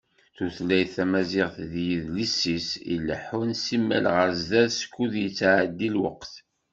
Tutlayt tamaziɣt d yidles-is i ileḥḥun simmal ɣer sdat skud yettɛeddi lweqt.